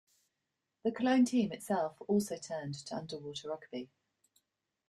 The Cologne team itself also turned to underwater rugby.